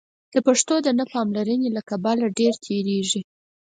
د پښتو د نه پاملرنې له کبله ډېره تېرېږي.